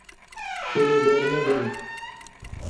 Hûn ê bernedin.